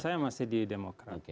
saya masih di demokrat